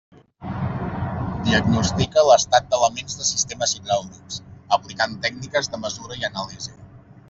Diagnostica l'estat d'elements de sistemes hidràulics, aplicant tècniques de mesura i anàlisi.